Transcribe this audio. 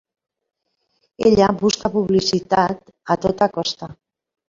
Ella busca publicitat a tota costa.